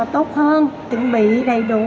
tốt hơn chuẩn bị đầy đủ